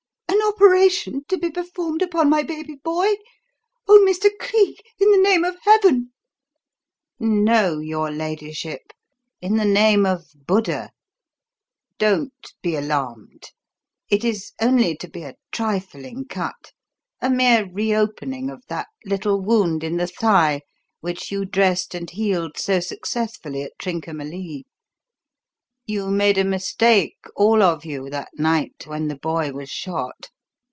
"An operation to be performed upon my baby boy? Oh, Mr. Cleek, in the name of Heaven " "No, your ladyship, in the name of Buddha. Don't be alarmed. It is only to be a trifling cut a mere re opening of that little wound in the thigh which you dressed and healed so successfully at Trincomalee. You made a mistake, all of you, that night when the boy was shot.